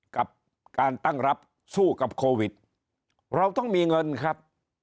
กับการตั้งรับสู้กับโควิดเราต้องมีเงินครับ